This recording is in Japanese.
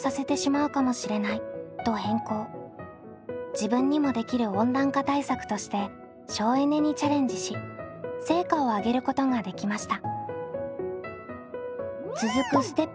自分にもできる温暖化対策として省エネにチャレンジし成果を上げることができました。